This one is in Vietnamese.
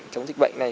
chống dịch bệnh này